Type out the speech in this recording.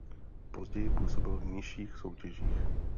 Později působil v nižších soutěžích.